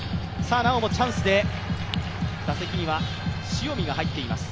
なおもチャンスで打席には塩見が入っています。